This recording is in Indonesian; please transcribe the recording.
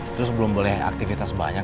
terus belum boleh aktivitas banyak